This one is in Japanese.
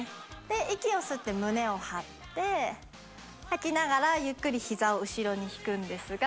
息を吸って胸を張って吐きながらゆっくりひざを後ろに引くんですが。